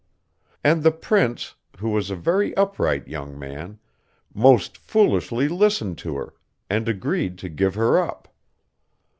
And the prince, who was a very upright young man, most foolishly listened to her, and agreed to give her up.